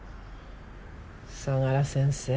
相良先生。